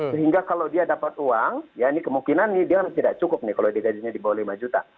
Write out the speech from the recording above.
sehingga kalau dia dapat uang ya ini kemungkinan dia tidak cukup nih kalau digajinya di bawah lima juta